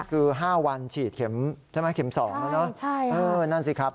คือ๕วันฉีดเข็มใช่ไหมเข็มสองแล้วนะใช่ครับนั่นสิครับ